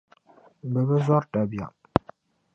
Bɛ bi zɔri dabiɛm.